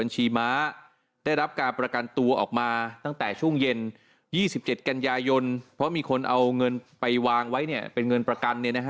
ช่วงเย็น๒๗กันยายนเพราะมีคนเอาเงินไปวางไว้เป็นเงินประกัน